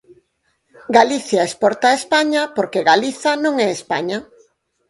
Galicia exporta a España porque Galiza non é España.